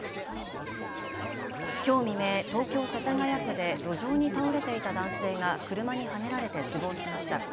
きょう未明、東京世田谷区で路上に倒れていた男性が車にはねられて死亡しました。